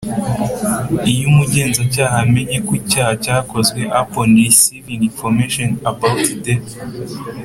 Iyo umugenzacyaha amenye ko icyaha cyakozwe Upon receiving information about the